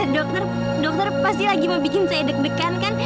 dokter dokter pasti lagi mau bikin saya deg degan kan